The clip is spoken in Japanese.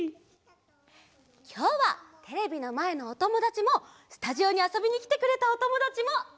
きょうはテレビのまえのおともだちもスタジオにあそびにきてくれたおともだちもいっしょにあそぶよ。